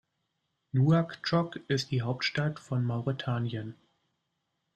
Nouakchott ist die Hauptstadt von Mauretanien.